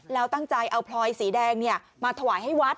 แล้วตั้งใจเอาพลอยสีแดงมาถวายให้วัด